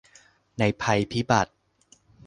ในภัยพิบัติ